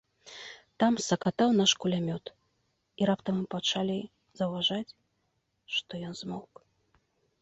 Там сакатаў наш кулямёт, і раптам мы пачалі заўважаць, што ён змоўк.